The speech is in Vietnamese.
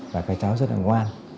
và cái cháu rất là ngoan